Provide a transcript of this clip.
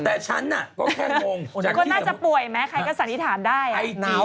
แต่ฉันแหละก็แค่นง